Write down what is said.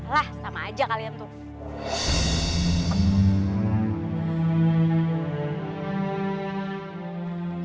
lah sama aja kalian tuh